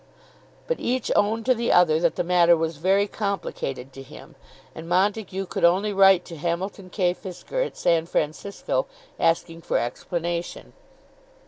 But each owned to the other that the matter was very complicated to him, and Montague could only write to Hamilton K. Fisker at San Francisco asking for explanation.